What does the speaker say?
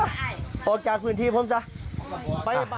ขอลองกันออกจากพื้นที่พร้อมไปซะ